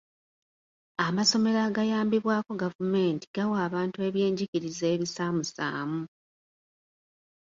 Amasomero agayambibwako gavumenti gawa abantu ebyenjigiriza ebisaamusaamu.